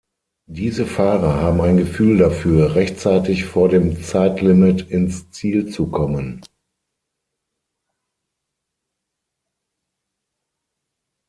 Diese Fahrer haben ein Gefühl dafür, rechtzeitig vor dem Zeitlimit ins Ziel zu kommen.